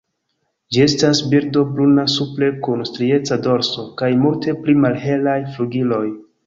Ĝi estas birdo bruna supre kun strieca dorso kaj multe pli malhelaj flugiloj.